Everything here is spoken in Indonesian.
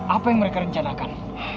apa yang mereka rencanakan